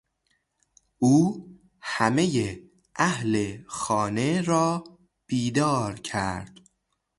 او همهی اهل خانه را بیدار کرد!